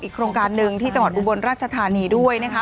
โครงการหนึ่งที่จังหวัดอุบลราชธานีด้วยนะคะ